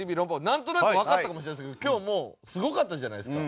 なんとなくわかったかもしれませんけど今日もうすごかったじゃないですか。